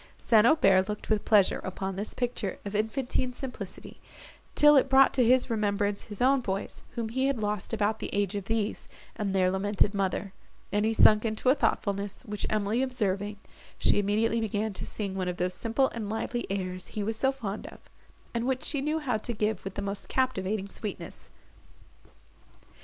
St. Aubert looked with pleasure upon this picture of infantine simplicity, till it brought to his remembrance his own boys, whom he had lost about the age of these, and their lamented mother; and he sunk into a thoughtfulness, which Emily observing, she immediately began to sing one of those simple and lively airs he was so fond of, and which she knew how to give with the most captivating sweetness.